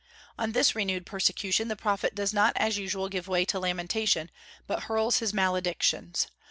On this renewed persecution the prophet does not as usual give way to lamentation, but hurls his maledictions.